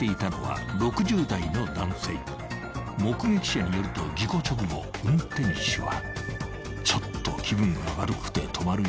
［目撃者によると事故直後運転手は］